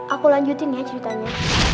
aku lanjutin ya ceritanya